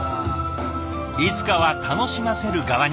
いつかは楽しませる側に。